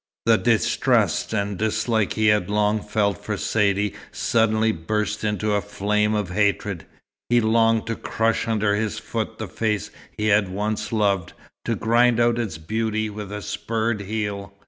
The distrust and dislike he had long felt for Saidee suddenly burst into a flame of hatred. He longed to crush under his foot the face he had once loved, to grind out its beauty with a spurred heel.